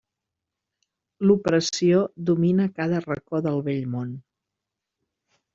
L'opressió domina cada racó del vell món.